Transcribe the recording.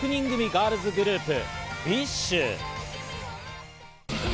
ガールズグループ・ＢｉＳＨ。